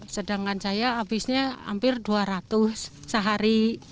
sedangkan saya habisnya hampir dua ratus sehari